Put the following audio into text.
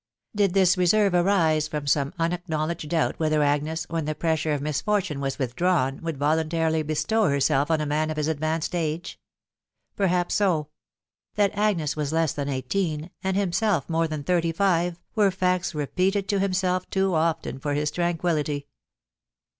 Did this reserve arise from some unacknowledged doubt whether Agnes, when the pressure of misfortune was withdrawn, would voluntarily bestow herself on a man of his advanced age ? Perhaps so. That Agnes was less than eighteen, and himself more than thirty five, were facts repeated to himself too often for his tranquillity.